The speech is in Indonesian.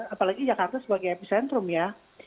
apalagi jakarta sebagai epicentrum ya